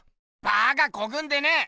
バカこくんでねぇ！